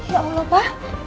ya allah pa